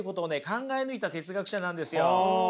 考え抜いた哲学者なんですよ。